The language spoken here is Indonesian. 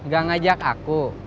gak ngajak aku